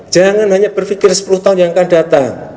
jangan hanya berpikir sepuluh tahun yang akan datang